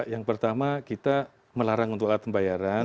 yang pertama kita melarang untuk alat pembayaran